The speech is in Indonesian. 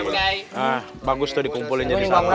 nah bagus tuh dikumpulin jadi satu